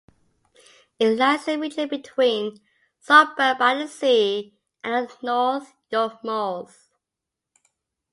It lies in a region between Saltburn-by-the-Sea and the North York Moors.